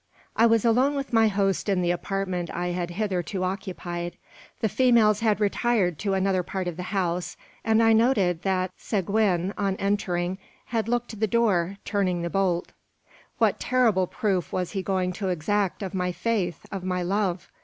I was alone with my host in the apartment I had hitherto occupied. The females had retired to another part of the house; and I noticed that Seguin, on entering, had looked to the door, turning the bolt. What terrible proof was he going to exact of my faith, of my love?